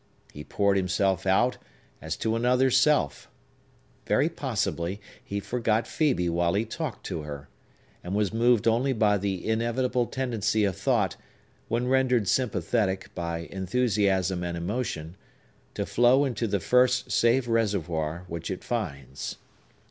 He poured himself out as to another self. Very possibly, he forgot Phœbe while he talked to her, and was moved only by the inevitable tendency of thought, when rendered sympathetic by enthusiasm and emotion, to flow into the first safe reservoir which it finds.